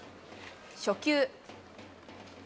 初球。